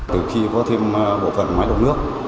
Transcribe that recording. từ khi có thêm bộ phận ngoài đống nước